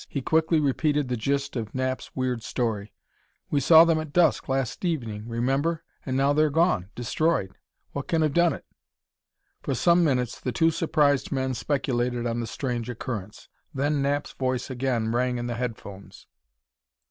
He quickly repeated the gist of Knapp's weird story. "We saw them at dusk, last evening remember? And now they're gone, destroyed. What can have done it?" For some minutes the two surprised men speculated on the strange occurrence. Then Knapp's voice again rang in the headphones.